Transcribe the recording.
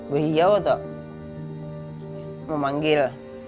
berhiaw atau memanggil